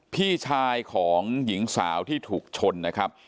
พี่ชายของหญิงสาวที่ถูกชนนะครับ